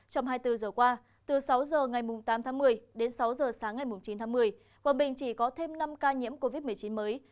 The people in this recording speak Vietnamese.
trong hai mươi bốn giờ qua từ sáu h ngày tám tháng một mươi đến sáu giờ sáng ngày chín tháng một mươi quảng bình chỉ có thêm năm ca nhiễm covid một mươi chín mới